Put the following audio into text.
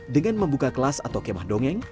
dengan membuka kelas atau kemah dongeng